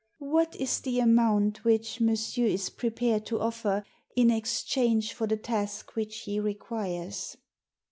''What is the amount which monsieur is prepared to offer in exchange for the task which he requires